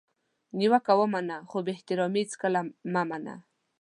نیوکه ومنه خو بي احترامي هیڅکله مه منه!